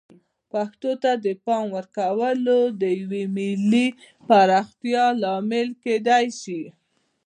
پښتو ته د پام ورکول د یوې ملي پراختیا لامل کیدای شي.